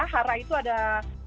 hara itu ada chris dayanti